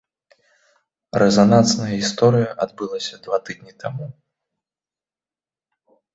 Рэзанансная гісторыя адбылася два тыдні таму.